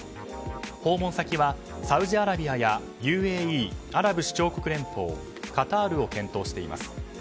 訪問先はサウジアラビアやＵＡＥ・アラブ首長国連邦カタールを検討しています。